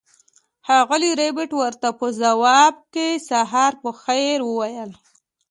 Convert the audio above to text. ښاغلي ربیټ ورته په ځواب کې سهار په خیر وویل